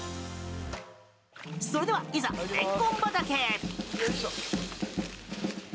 それではいざ、レンコン畑へ！